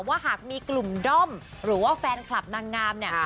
ว่าหากมีกลุ่มด้อมหรือว่าแฟนคลับนางงามเนี่ย